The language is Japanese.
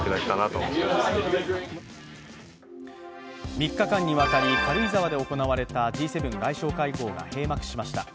３日間にわたり軽井沢で行われたＧ７外相会合が閉幕しました。